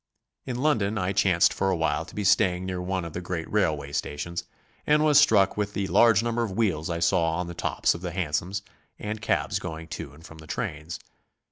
In London I chanced for a while to be staying near one of the great rail way statio^ns, and was struck with the large number of wheels I saw on the tops of the hansoms and cabs going to and from the trains.